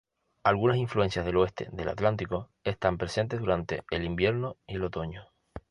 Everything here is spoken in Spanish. Algunas influencias del oeste del Atlántico están presentes durante el invierno y el otoño.